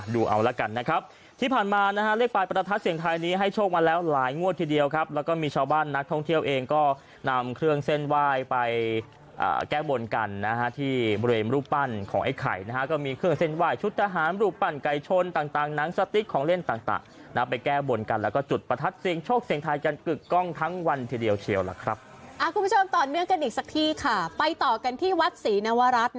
ดูเอาแล้วกันนะครับที่ผ่านมานะฮะเลขปลายประทัดเสียงไทยนี้ให้โชคมาแล้วหลายงวดทีเดียวครับแล้วก็มีชาวบ้านนักท่องเที่ยวเองก็นำเครื่องเส้นไหว้ไปแก้บนกันนะฮะที่บริเวณรูปปั้นของไอ้ไข่นะฮะก็มีเครื่องเส้นไหว้ชุดทหารรูปปั้นไก่ชนต่างหนังสติ๊กของเล่นต่างนะไปแก้บนกันแล้วก็จุดประท